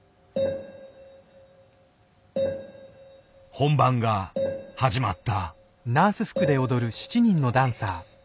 本番が始まった。